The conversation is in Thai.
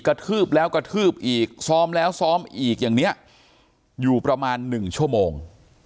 ทืบแล้วกระทืบอีกซ้อมแล้วซ้อมอีกอย่างนี้อยู่ประมาณ๑ชั่วโมง